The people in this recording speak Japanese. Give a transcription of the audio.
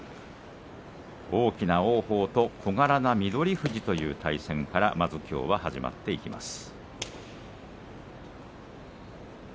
大きな王鵬と小柄な翠富士という対戦からきょうはまず始まっていきます。